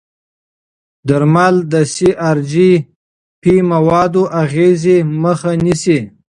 درمل د سي ار جي پي موادو اغېزې مخه نیسي.